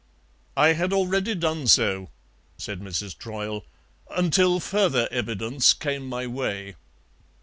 "I had already done so," said Mrs. Troyle, "until further evidence came my way."